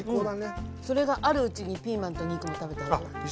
それがあるうちにピーマンと肉も食べた方がいいよ。